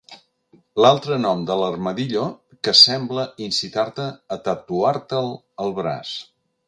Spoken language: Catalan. L'altre nom de l'armadillo que sembla incitar-te a tatuar-te'l al braç.